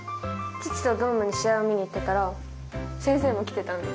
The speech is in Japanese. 父とドームに試合を見にいってたら先生も来てたの。